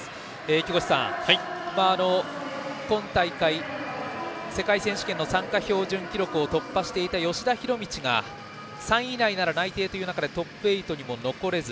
木越さん、今大会世界選手権の参加標準記録を突破していた吉田弘道が３位以内なら内定という中でトップ８にも残れず。